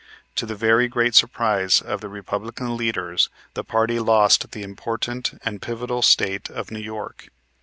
To the very great surprise of the Republican leaders the party lost the important and pivotal State of New York.